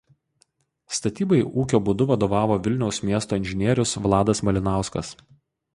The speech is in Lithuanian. Statybai ūkio būdu vadovavo Vilniaus miesto inžinierius Vladas Malinauskas.